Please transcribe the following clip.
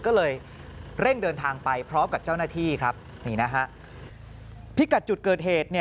ก็เลยเร่งเดินทางไปพร้อมกับเจ้าหน้าที่พิกัดจุดเกิดเหตุ